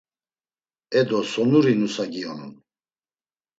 E do, sonuri nusa giyonun?